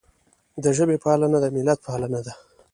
د ژبې پالنه د ملت پالنه ده.